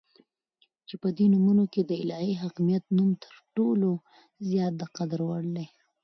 چې په دي نومونو كې دالهي حاكميت نوم تر ټولو زيات دقدر وړ دى